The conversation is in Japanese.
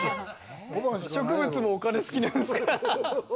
植物もお金好きなんですか？